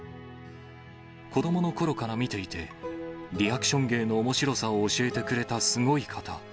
子どものころから見ていて、リアクション芸のおもしろさを教えてくれたすごい方。